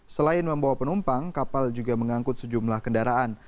selain membawa penumpang kapal juga mengangkut sejumlah kendaraan